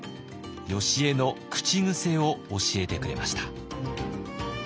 よしえの口癖を教えてくれました。